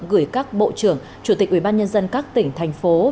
gửi các bộ trưởng chủ tịch ubnd các tỉnh thành phố quốc gia